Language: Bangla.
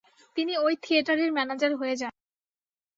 তিনি ওই থিয়েটারের ম্যানেজার হয়ে যান ।